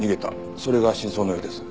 それが真相のようです。